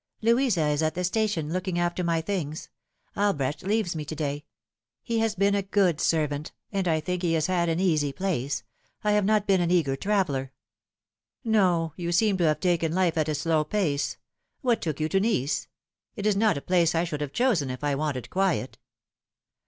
" Louisa is at the station, looking after my things. Albrecht leaves me to day. He has been a good servant, and I think he has had an easy place. I have not been an eager traveller." " No : you seem to have taken life at a slow pace. What took you to Nice ? It is not a place I should have chosen if I wanted quiet."